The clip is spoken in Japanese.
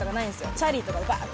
チャリとかでバーッて。